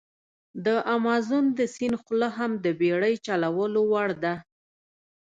د امازون د سیند خوله هم د بېړی چلولو وړ ده.